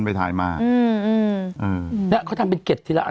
แล้วน้ำอยู่ไหนเถอะ